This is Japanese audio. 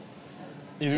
いる？